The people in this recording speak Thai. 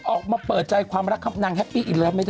ออกมาเปิดใจความรักครับนางแฮปปี้อีกแล้วไม่ได้